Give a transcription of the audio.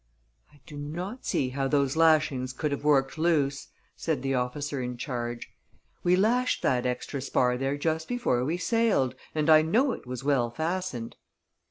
"I do not see how those lashings could have worked loose," said the officer in charge. "We lashed that extra spar there just before we sailed, and I know it was well fastened."